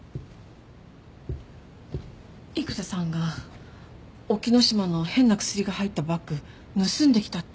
育田さんが沖野島の変なクスリが入ったバッグ盗んできたって。